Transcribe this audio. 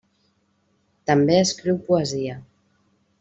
També escriu poesia.